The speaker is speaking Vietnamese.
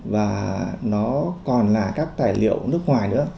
và nó còn là các tài liệu nước ngoài nữa